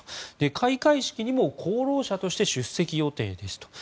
開会式にも功労者として出席予定ですと。